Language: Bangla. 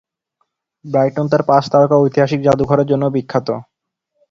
ব্রাইটন তার পাঁচ তারকা ঐতিহাসিক জাদুঘরের জন্যও বিখ্যাত।